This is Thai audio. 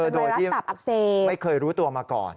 โดยที่ไม่เคยรู้ตัวมาก่อน